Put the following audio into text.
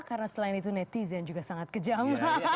karena selain itu netizen juga sangat kejam